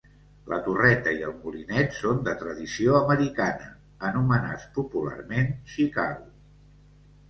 La torreta i el molinet són de tradició americana, anomenats popularment Chicago.